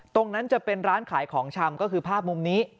ตรงนั้นจะเป็นร้านขายของชำก็คือภาพมุมนี้